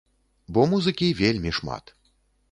Бо музыкі вельмі шмат!